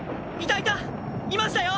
いましたよ。